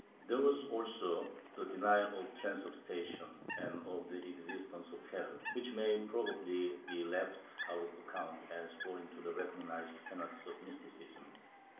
There was also the denial of transubstantiation and of the existence of hell, which may probably be left out of account as foreign to the recognized tenets of mysticism.